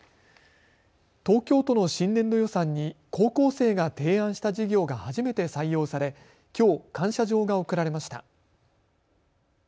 東京都の新年度予算に高校生が提案した事業が初めて採用されきょう、感謝状が贈られました。